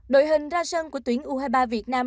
đội hình ra sân của tuyến u hai mươi ba việt nam